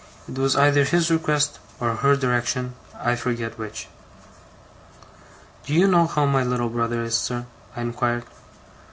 'It was either his request or her direction, I forget which.' 'Do you know how my little brother is, sir?' I inquired. Mr.